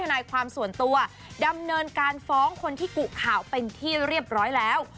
นายความส่วนตัวดำเนินการฟ้องคนที่กุข่าวเป็นที่เรียบร้อยแล้ว